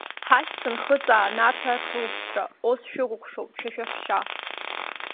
Ҳашьцәа Нхыҵаа, Нарҭаа рхылҵшьҭра, Оо, сшәыкәыхшоуп шәа шәаҳәшьа!